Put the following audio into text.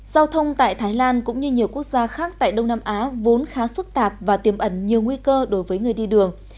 giao thông tại thái lan cũng như nhiều quốc gia khác tại đông nam á vốn khá phức tạp và tiềm ẩn nhiều nguy cơ đối với người đi đường